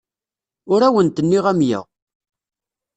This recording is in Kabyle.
Ur awent-nniɣ amya.